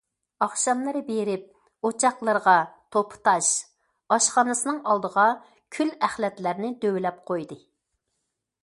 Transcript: ئاخشاملىرى بېرىپ ئوچاقلىرىغا توپا- تاش، ئاشخانىسىنىڭ ئالدىغا كۈل- ئەخلەتلەرنى دۆۋىلەپ قويدى.